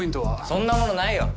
そんなものないよ。